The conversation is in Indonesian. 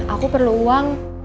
aku perlu uang